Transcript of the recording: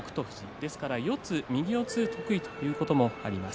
ですから右四つ得意ということもあります。